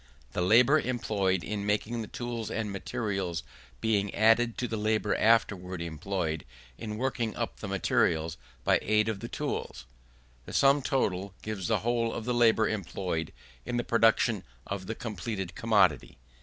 The labour employed in making the tools and materials being added to the labour afterwards employed in working up the materials by aid of the tools, the sum total gives the whole of the labour employed in the production of the completed commodity.